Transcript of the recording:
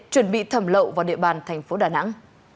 chuẩn bị thẩm lậu vào địa bàn tp đà nẵng